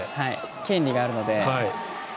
権利があるので。